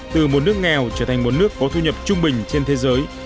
từ một nước nghèo trở thành một nước có thu nhập trung bình trên thế giới